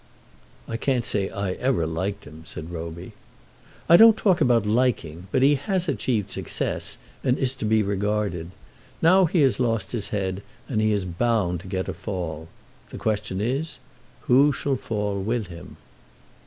"I can't say I ever liked him," said Roby. "I don't talk about liking, but he has achieved success, and is to be regarded. Now he has lost his head, and he is bound to get a fall. The question is, who shall fall with him?"